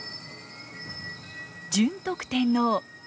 順徳天皇。